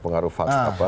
pengaruh fax apa